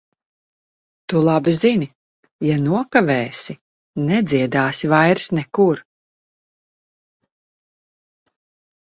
Tu labi zini - ja nokavēsi, nedziedāsi vairs nekur.